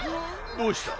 どうした？